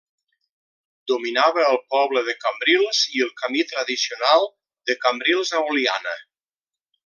Dominava el poble de Cambrils i el camí tradicional de Cambrils a Oliana.